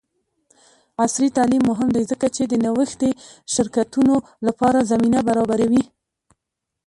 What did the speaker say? عصري تعلیم مهم دی ځکه چې د نوښتي شرکتونو لپاره زمینه برابروي.